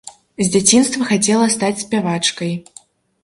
З дзяцінства хацела стаць спявачкай.